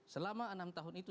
selama enam tahun itu